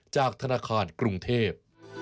จากธนาคารกรุงเทพ